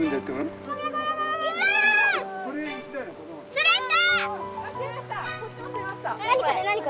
釣れた！